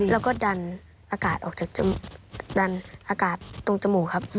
แล้วก็ดันอากาศออกจากดันอากาศตรงจมูกครับ